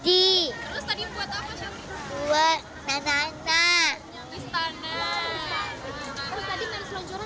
itu adik dua anak anak istana dan anak anak